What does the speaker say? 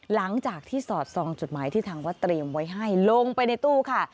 หลังจากที่สอดซองจุดหมายที่ทางวัดเตรียมไว้ให้ลงไปในตู้ค่ะ